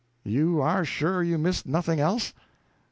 "You are sure you missed nothing else?"